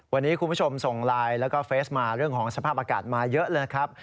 วันนี้คุณผู้ชมส่งไลน์แล้วก็เฟสมาเรื่องของสภาพอากาศมาเยอะเลยครับ